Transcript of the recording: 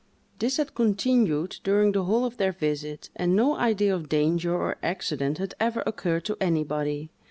This had continued during the whole of their visit, and no idea of danger or accident had ever occurred to anybody.